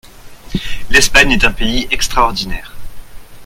L'Espagne est un pays extraordinaire